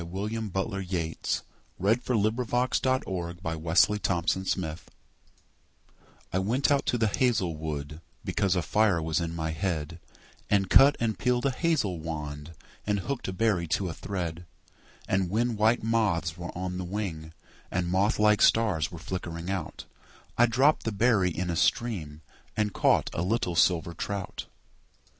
William Butler Yeats The Song of Wandering Aengus I WENT out to the hazel wood, Because a fire was in my head, And cut and peeled a hazel wand, And hooked a berry to a thread; And when white moths were on the wing, And moth like stars were flickering out, I dropped the berry in a stream And caught a little silver trout.